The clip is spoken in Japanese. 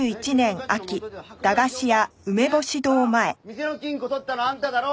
店の金庫盗ったのあんただろ！？